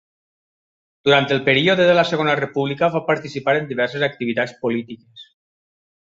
Durant el període de la Segona República va participar en diverses activitats polítiques.